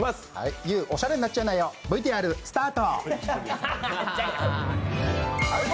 ユー、おしゃれになっちゃいなよ、ＶＴＲスタート！